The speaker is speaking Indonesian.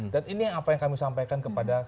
dan ini yang apa yang kami sampaikan kepada